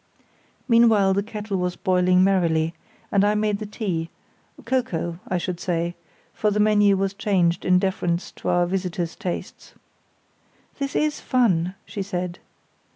Meanwhile the kettle was boiling merrily, and I made the tea—cocoa, I should say, for the menu was changed in deference to our visitor's tastes. "This is fun!" she said.